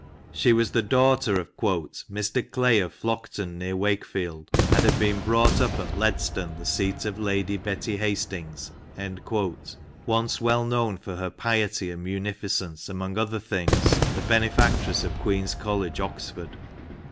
She was the daughter of " Mr Clay of Flockton, near Wakefield," and "had been brought up at Ledston, the seat of Lady Betty Hastings," once well known for her piety and munificence, among other things the benefactress of Queen's College, Oxford.